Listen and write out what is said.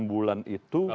enam bulan itu